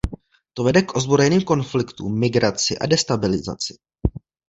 To vede k ozbrojeným konfliktům, migraci a destabilizaci.